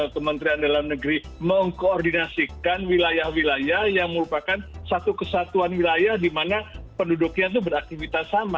kementerian dalam negeri mengkoordinasikan wilayah wilayah yang merupakan satu kesatuan wilayah di mana penduduknya itu beraktivitas sama